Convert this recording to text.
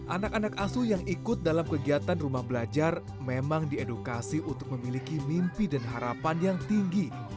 anak anak asuh yang ikut dalam kegiatan rumah belajar memang diedukasi untuk memiliki mimpi dan harapan yang tinggi